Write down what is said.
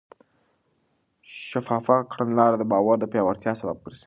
شفافه کړنلاره د باور د پیاوړتیا سبب ګرځي.